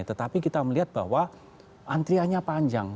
tetapi kita melihat bahwa antriannya panjang